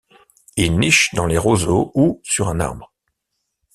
Il niche dans les roseaux ou sur un arbre.